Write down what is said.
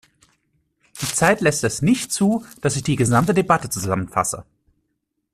Die Zeit lässt es nicht zu, dass ich die gesamte Debatte zusammenfasse.